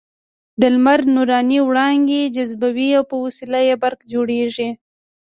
د لمر نوراني وړانګې جذبوي او په وسیله یې برق جوړېږي.